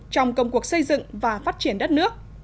trong công cuộc xây dựng và phát triển